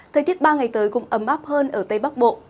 thời tiết ba ngày tới cũng ấm áp hơn ở tây bắc bộ